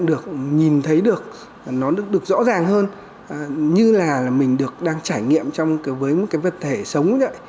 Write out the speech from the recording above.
được nhìn thấy được nó được rõ ràng hơn như là mình được đang trải nghiệm với một cái vật thể sống vậy